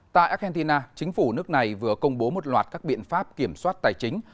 tại argentina chính phủ nước này vừa công bố một loạt các biện pháp kiểm soát tài chính